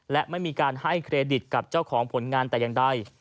และไม่มีการให้เครดิตกับเจ้าของผลงานแต่อย่างใด